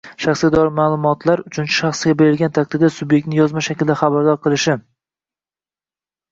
shaxsga doir ma’lumotlar uchinchi shaxsga berilgan taqdirda, subyektni yozma shaklda xabardor qilishi;